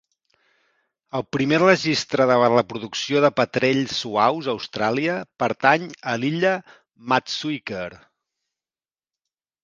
El primer registre de la reproducció de petrells suaus a Austràlia pertany a l'illa Maatsuyker.